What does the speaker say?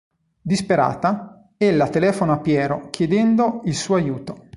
Disperata, ella telefona a Piero chiedendo il suo aiuto.